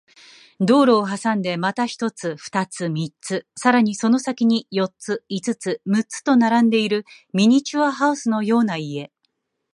道路を挟んでまた一つ、二つ、三つ、さらにその先に四つ、五つ、六つと並んでいるミニチュアハウスのような家